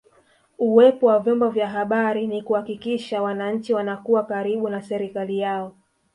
Uwepo wa vyombo vya habari ni kuhakikisha wananchi wanakuwa karibu na serikali yao